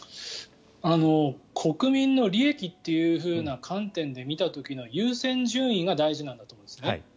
国民の利益という観点で見た時の優先順位が大事なんだと思うんですね。